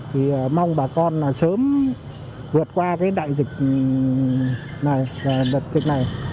thì mong bà con sớm vượt qua cái đại dịch này